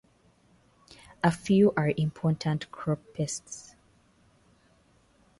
A few are important crop pests.